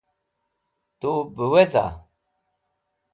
Tub weza?